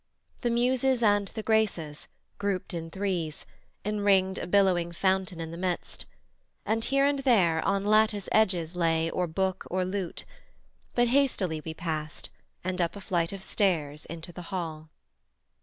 The Muses and the Graces, grouped in threes, Enringed a billowing fountain in the midst; And here and there on lattice edges lay Or book or lute; but hastily we past, And up a flight of stairs into the hall.